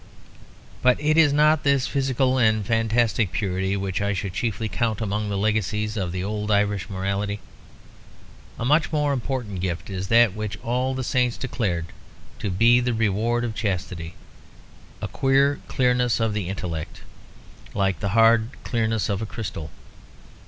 But it is not this physical and fantastic purity which I should chiefly count among the legacies of the old Irish morality. A much more important gift is that which all the saints declared to be the reward of chastity: a queer clearness of the intellect, like the hard clearness of a crystal.